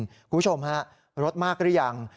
คุณผู้ชมฮะรถมากหรือยัง